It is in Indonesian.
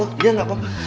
oh dia gak apa apa